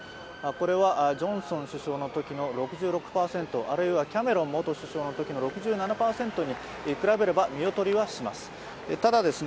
これはジョンソン首相のときの６６％、あるいはキャメロン元首相のときの６７％に比べれば、見劣りはします。